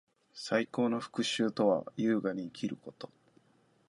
最高の復讐とは，優雅に生きること。